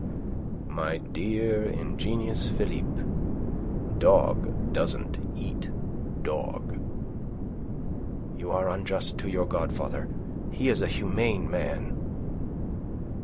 "My dear ingenuous Philippe, dog doesn't eat dog." "You are unjust to your godfather. He is a humane man."